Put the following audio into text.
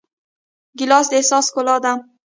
ګیلاس د احساس ښکلا ده.